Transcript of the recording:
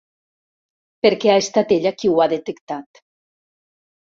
Perquè ha estat ella qui ho ha detectat.